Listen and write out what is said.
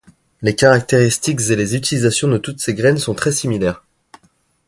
Les caractéristiques et les utilisations de toutes ces graines sont très similaires.